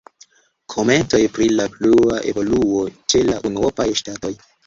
Komentoj pri la plua evoluo ĉe la unuopaj ŝtatoj.